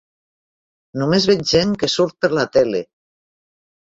Només veig gent que surt per la tele!